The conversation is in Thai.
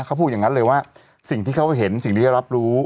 เขาพูดอย่างนั้นเลยว่าสิ่งที่เขาเห็นสิ่งที่ได้รับรู้